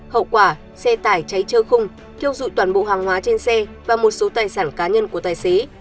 hậu quả xe tải cháy trơ khung thiêu dụi toàn bộ hàng hóa trên xe và một số tài sản cá nhân của tài xế